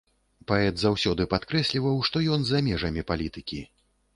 Паэт заўсёды падкрэсліваў, што ён за межамі палітыкі.